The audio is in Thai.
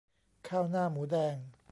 ข้าวหน้าหมูแดง